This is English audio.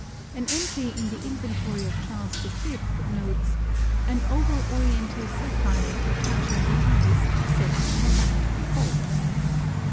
An entry in the inventory of Charles V notes "an oval Oriental sapphire for touching the eyes, set in a band of gold."